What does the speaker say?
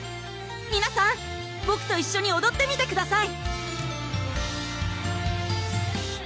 皆さんボクと一緒におどってみてください！